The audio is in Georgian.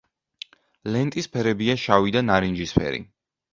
ლენტის ფერებია შავი და ნარინჯისფერი.